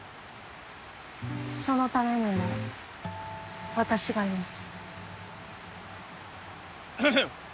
そのためにも私がいます